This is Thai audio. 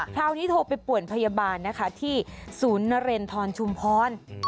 คราวนี้โทรไปป่วนพยาบาลนะคะที่ศูนย์นเรนทรชุมพร